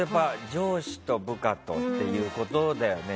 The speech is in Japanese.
上司と部下っていうことだよね。